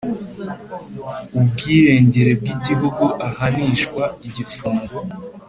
ubwirengere bw igihugu ahanishwa igifungo